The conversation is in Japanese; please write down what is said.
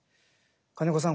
金子さん